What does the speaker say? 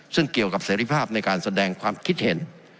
ซึ่งเกี่ยวกับเสรีภาพในการแสดงความคิดเห็น